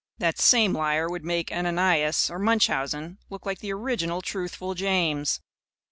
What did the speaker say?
That same liar would make Ananias or Munchausen look like the original Truthful James.